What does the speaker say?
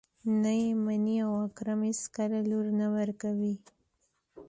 نه يې مني او اکرم اېڅکله لور نه ورکوي.